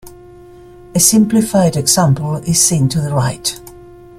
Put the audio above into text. A simplified example is seen to the right.